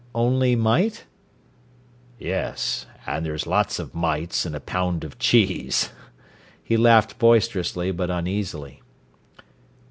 "Only might?" "Yes an' there's lots of mites in a pound of cheese." He laughed boisterously but uneasily.